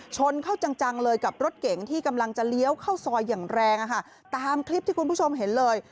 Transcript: ชนเข้าจังจังเลยกับรถเก๋งที่กำลังจะเลี้ยวเข้าซอยอย่างแรงตามคลิปที่คุณผู้ชมเห็นเลย